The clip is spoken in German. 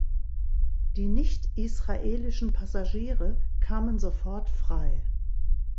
Die nicht-israelischen Passagiere kamen sofort frei.